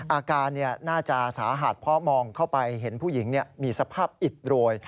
อาการน่าจะสาหัสเพราะมองเข้าไปเห็นผู้หญิงมีสภาพอิดโรย